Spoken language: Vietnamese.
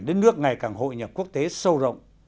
đất nước ngày càng hội nhập quốc tế sâu rộng